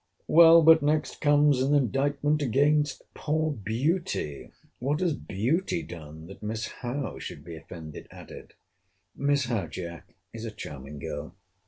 Well, but next comes an indictment against poor beauty! What has beauty done that Miss Howe should be offended at it?—Miss Howe, Jack, is a charming girl.